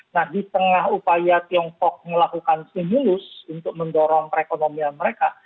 nah di tengah upaya tiongkok melakukan stimulus untuk mendorong perekonomian mereka